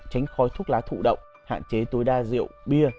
tránh khói thuốc lá thụ động hạn chế tối đa rượu bia